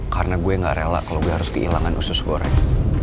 karena gue gak rela kalau gue harus kehilangan usus goreng